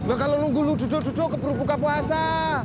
gue bakal nunggu lu duduk duduk kebuka puasa